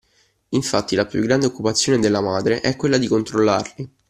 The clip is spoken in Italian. Infatti la più grande occupazione della madre è quella di controllarli.